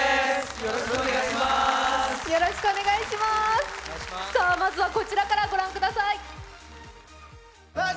よろしくお願いします。